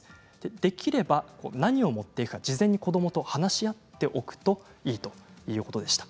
できれば何を持っていくのか事前に子どもと話し合っておくといいということでした。